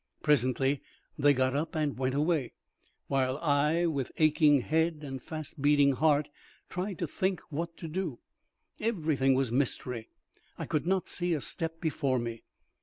Presently they got up and went away, while I, with aching head and fast beating heart, tried to think what to do. Everything was mystery. I could not see a step before me.